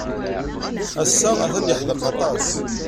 Ass-a atan yeḥdeq aṭas.